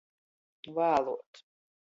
Vāluot.